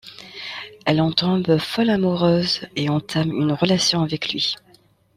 Elle en tombe folle amoureuse et entame une relation avec lui.